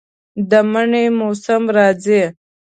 د منی موسم راځي